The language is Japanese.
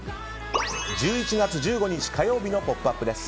１１月１５日、火曜日の「ポップＵＰ！」です。